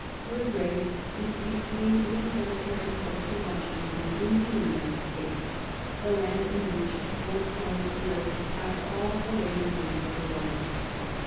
Her grave is to be seen in a cemetery close to Washington, in the United States, the land in which Wolfe Tone's widow passed all the later years of her life.